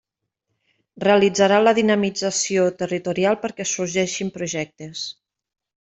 Realitzarà la dinamització territorial perquè sorgeixin projectes.